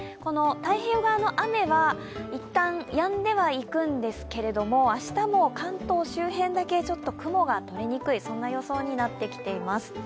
太平洋側の雨は一旦やんではいくんですけれども、明日も関東周辺だけちょっと雲がとれにくいそんな予想になってきています。